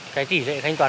cái chỉ dạy thanh toán